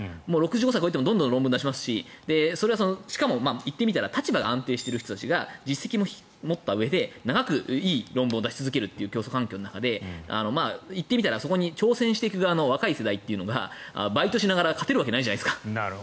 ６５歳を超えてもどんどん論文を出しますししかも言ってみれば立場が安定している人たちが実績も持ったうえで長くいい論文を出し続けるという競争環境の中でそこに挑戦していく側の若い世代がバイトをしながら勝てるわけじゃないじゃないですか。